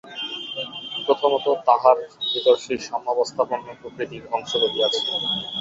প্রথমত তাঁহার ভিতর সেই সাম্যাবস্থাপন্ন প্রকৃতির অংশ রহিয়াছে।